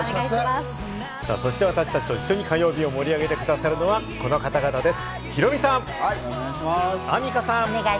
私たちと一緒に火曜日を盛り上げてくださるのは、この方々です。